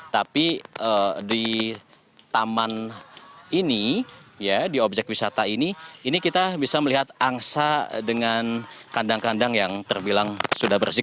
tapi di taman ini di objek wisata ini ini kita bisa melihat angsa dengan kandang kandang yang terbilang sudah bersih